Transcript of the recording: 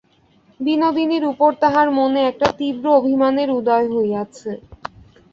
বিনোদিনীর উপরে তাহার মনে একটা তীব্র অভিমানের উদয় হইয়াছে।